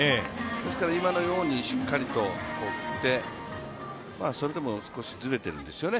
ですから今のようにしっかりと振って、それでも少しずれてるんですよね。